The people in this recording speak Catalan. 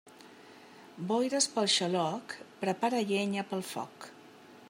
Boires pel xaloc, prepara llenya pel foc.